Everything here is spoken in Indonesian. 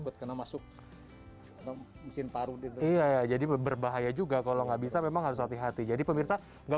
mesin parut iya jadi berbahaya juga kalau nggak bisa memang harus hati hati jadi pemirsa nggak